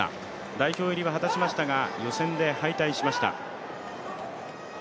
代表入りは果たしましたが予選で敗退しました。